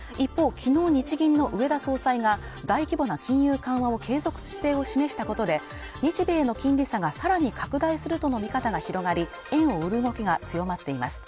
きのう日銀の植田総裁が大規模な金融緩和を継続姿勢を示したことで日米の金利差がさらに拡大するとの見方が広がり円を売る動きが強まっています